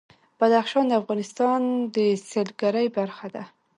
بدخشان د افغانستان د سیلګرۍ برخه ده.